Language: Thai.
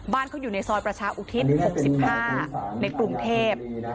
เขาอยู่ในซอยประชาอุทิศ๖๕ในกรุงเทพ